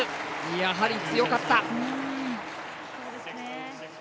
やはり強かった！